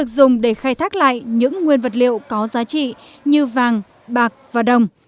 rác thải điện tử cũng được dùng để khai thác lại những nguyên vật liệu có giá trị như vàng bạc và đồng